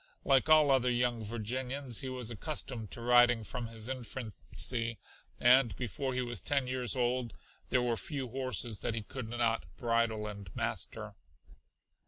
Like all other young Virginians he was accustomed to riding from his infancy, and before he was ten years old there were few horses that he could not bridle and master.